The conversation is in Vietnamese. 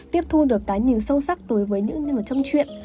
và có một cái nhìn sâu sắc đối với những nhân vật trong chuyện